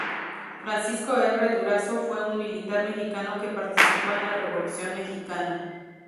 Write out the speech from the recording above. Francisco R. Durazo fue un militar mexicano que participó en la Revolución mexicana.